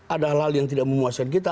ada hal hal yang tidak memuaskan kita